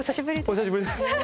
お久しぶりです。